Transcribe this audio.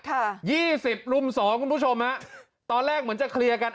ยี่สิบรุมสองคุณผู้ชมฮะตอนแรกเหมือนจะเคลียร์กัน